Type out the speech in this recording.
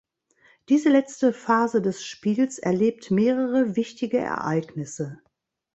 Diese letzte Phase des „Spiels“ erlebt mehrere wichtige Ereignisse.